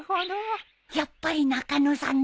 やっぱり中野さんだ